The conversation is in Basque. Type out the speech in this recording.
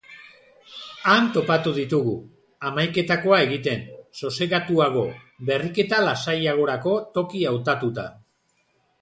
Han topatu ditugu, hamaiketakoa egiten, sosegatuago, berriketa lasaiagorako toki hautatuta.